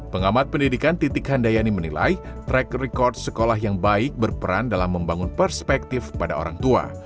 pengamat pendidikan titik handayani menilai track record sekolah yang baik berperan dalam membangun perspektif pada orang tua